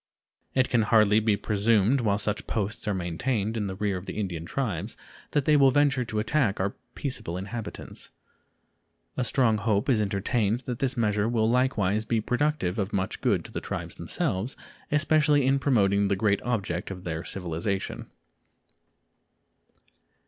It can hardly be presumed while such posts are maintained in the rear of the Indian tribes that they will venture to attack our peaceable inhabitants. A strong hope is entertained that this measure will likewise be productive of much good to the tribes themselves, especially in promoting the great object of their civilization.